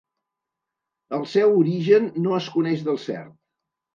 El seu origen no es coneix del cert.